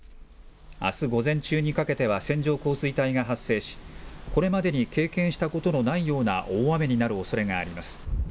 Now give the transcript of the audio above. あす午前中にかけては線状降水帯が発生し、これまでに経験したことのないような大雨になるおそれがあります。